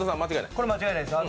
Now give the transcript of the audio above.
これ間違いないです。